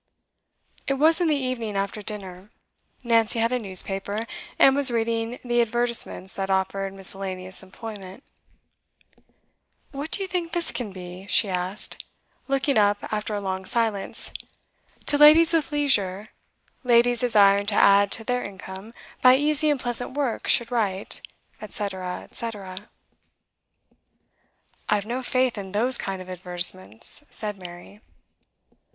It was in the evening, after dinner. Nancy had a newspaper, and was reading the advertisements that offered miscellaneous employment. 'What do you think this can be?' she asked, looking up after a long silence. '"To ladies with leisure. Ladies desiring to add to their income by easy and pleasant work should write"' &c. &c. 'I've no faith in those kind of advertisements,' said Mary.